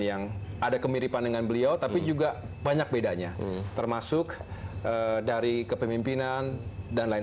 yang ada kemiripan dengan beliau tapi juga banyak bedanya termasuk dari kepemimpinan dan lain